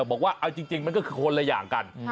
บอกว่าเอาจริงมันก็คือคนละอย่างกัน